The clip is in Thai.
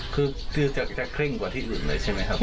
คือจะเคร่งกว่าที่อื่นเลยใช่ไหมครับ